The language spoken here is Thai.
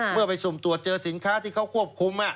เมื่อไปสุ่มตรวจเจอสินค้าที่เขาควบคุม